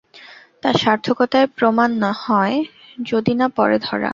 তার সার্থকতার প্রমাণ হয়, যদি না পড়ে ধরা।